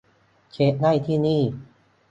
เช็กได้ที่นี่